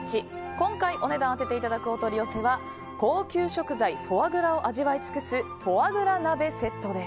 今回お値段を当てていただくお取り寄せは高級食材フォアグラを味わい尽くすフォアグラ鍋セットです。